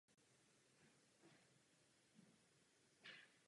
V minulosti byla proslulá výrobou hedvábí.